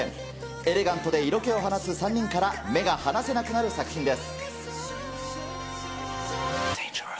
エレガントで色気を放つ３人から目が離せなくなる作品です。